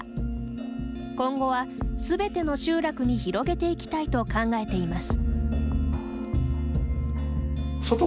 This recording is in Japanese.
今後は全ての集落に広げていきたいと考えています。